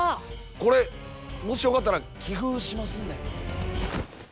これもしよかったら寄付しますんで。